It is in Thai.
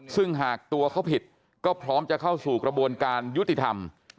ซึ่งหากตัวเขาผิดก็พร้อมจะเข้าสู่กระบวนการยุติธรรม